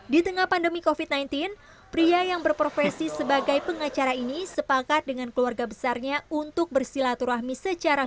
di tengah pandemi covid sembilan belas pria yang berprofesi sebagai pengacara ini sepakat dengan keluarga besarnya untuk bersilaturahmi secara